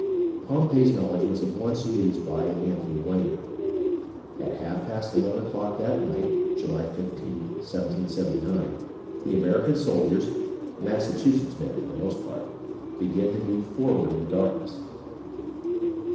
Pompey's knowledge was at once used by Anthony Wayne. At half past eleven o'clock that night, July 15th, 1779, the American soldiers (Massachusetts men, for the most part) began to move forward in the darkness.